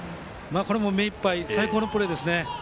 目いっぱいで最高のプレーですね。